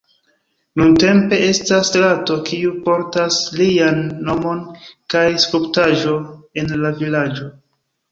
Nuntempe estas strato kiu portas lian nomon kaj skulptaĵo en la vilaĝo.